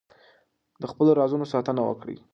د خپلو رازونو ساتنه وکړئ.